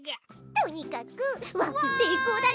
とにかくワープせいこうだね！